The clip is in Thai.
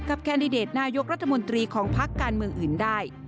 แคนดิเดตนายกรัฐมนตรีของพักการเมืองอื่นได้